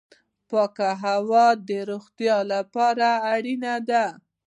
پاکه هوا د روغتیا لپاره اړینه ده